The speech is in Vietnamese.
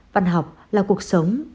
văn học là cuộc sống